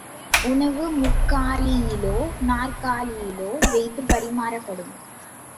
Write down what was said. உணவு முக்காலியிலோ நாற்காலியிலோ வைத்துப் பறிமாறப்படும்.